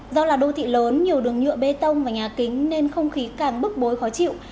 do là đô thị lớn nhiều đường nhựa bê tông và nhà kính nên không khí càng bức bối khó chịu